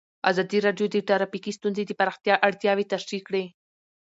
ازادي راډیو د ټرافیکي ستونزې د پراختیا اړتیاوې تشریح کړي.